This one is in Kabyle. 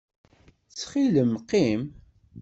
Ttxil-m qqim.